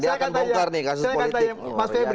dia akan bongkar nih kasus politik